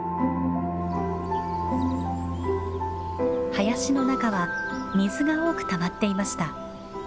林の中は水が多くたまっていました。